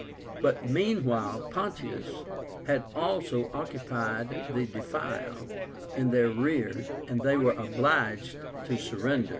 But meanwhile Pontius had also occupied the defile in their rear, and they were obliged to surrender.